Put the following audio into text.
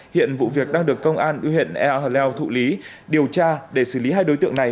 hiện vụ việc đang được công an huyện ea leo thụ lý điều tra để xử lý hai đối tượng này